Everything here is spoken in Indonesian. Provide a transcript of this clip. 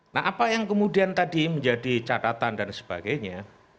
nah apa yang kemudian tadi menjadi catatan dan sebagainya